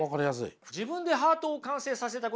自分でハートを完成させたことですよね。